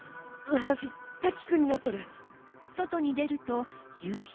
私瀧くんになっとる。